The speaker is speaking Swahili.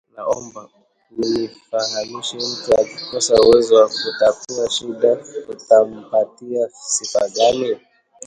“Naomba unifahamishe, mtu akikosa uwezo wa kutatua shida tutampatia sifa gani?”